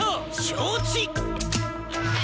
承知！